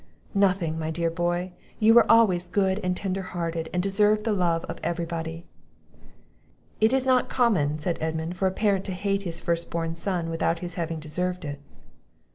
"Nothing, my dear boy! you were always good and tender hearted, and deserved the love of every body." "It is not common," said Edmund, "for a parent to hate his first born son without his having deserved it."